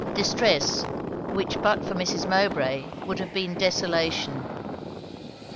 Distress, which but for Mrs. Mowbray would have been desolation.